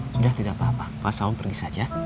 sudah tidak apa apa pak salam pergi saja